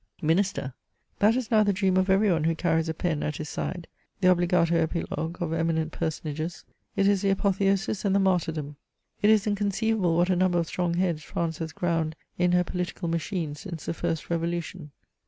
Minister ! that is now the dream of every one who carries a pen at his side, the obligato epilogue of eminent personages ; it is the apotheosis and the martyrdom. It is inconceivable what a number of strong heads France has ground in her political machine since the first revolution.